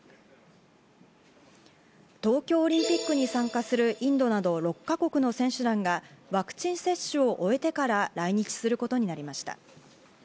東京オリンピックに参加するインドなど６か国の選手団が、ワクチン接種を終えてから来日することになりました。